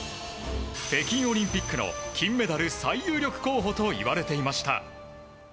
北京オリンピックの金メダル最有力候補といわれていました。